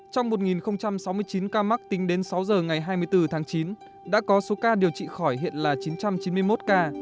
trong một sáu mươi chín ca mắc tính đến sáu giờ ngày hai mươi bốn tháng chín đã có số ca điều trị khỏi hiện là chín trăm chín mươi một ca